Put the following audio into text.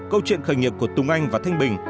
câu chuyện khởi nghiệp của tùng anh và thanh bình